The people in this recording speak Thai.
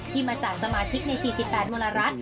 ที่มาจากสมาชิกใน๔๘มลรัฐ